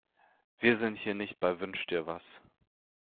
Wir sind hier nicht bei Wünsch-dir-was.